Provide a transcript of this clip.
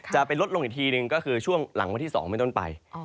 จะไปลดลงอีกทีหนึ่งก็คือช่วงหลังวันที่๒เป็นต้นไป